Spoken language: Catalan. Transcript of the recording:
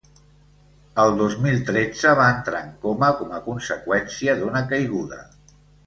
El dos mil tretze va entrar en coma com a conseqüència d’una caiguda.